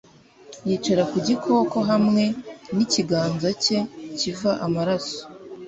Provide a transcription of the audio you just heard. Yicara ku gikoko hamwe nikiganza cye kiva amaraso